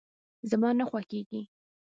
زما نه خوښيږي.